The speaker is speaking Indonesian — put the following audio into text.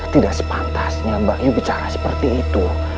tidak sepantasnya mbak yu bicara seperti itu